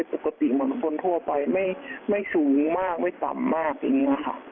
ปกติเหมือนคนทั่วไปไม่สูงมากไม่ต่ำมากอย่างนี้ค่ะ